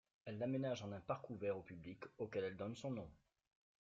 Elle l'aménage en un parc ouvert au public auquel elle donne son nom.